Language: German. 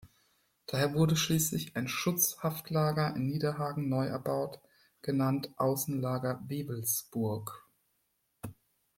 Daher wurde schließlich ein "Schutzhaftlager" in Niederhagen neu erbaut, genannt "Außenlager Wewelsburg".